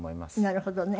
なるほどね。